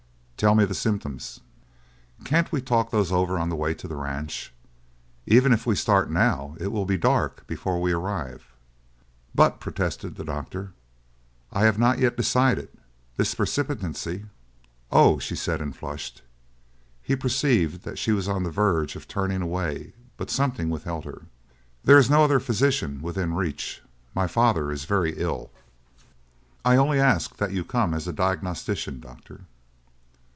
"Tell me the symptoms!" "Can't we talk those over on the way to the ranch? Even if we start now it will be dark before we arrive." "But," protested the doctor, "I have not yet decided this precipitancy " "Oh," she said, and flushed. He perceived that she was on the verge of turning away, but something withheld her. "There is no other physician within reach; my father is very ill. I only ask that you come as a diagnostician, doctor!"